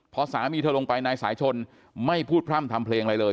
พอสามีเธอลงไปนายสายชนไม่พูดพร่ำทำเพลงอะไรเลย